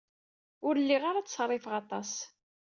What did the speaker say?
Ur lliɣ ara ttṣerrifeɣ aṭas.